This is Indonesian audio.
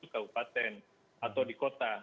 kabupaten atau di kota